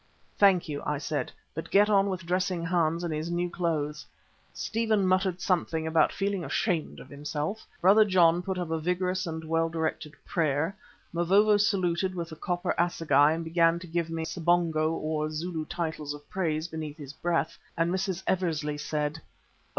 "Thank you," I said, "but get on with dressing Hans in his new clothes." Stephen muttered something about feeling ashamed of himself. Brother John put up a vigorous and well directed prayer. Mavovo saluted with the copper assegai and began to give me sibonga or Zulu titles of praise beneath his breath, and Mrs. Eversley said: "Oh!